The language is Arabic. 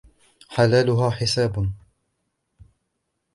حَلَالُهَا حِسَابٌ